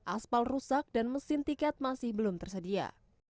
aspal rusak dan mesin tiket masih belum tersedia